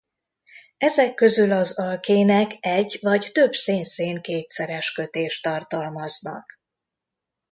Ezek közül az alkének egy vagy több szén-szén kétszeres kötést tartalmaznak.